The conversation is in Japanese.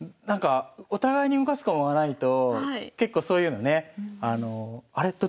お互いに動かす駒がないと結構そういうのねあれ？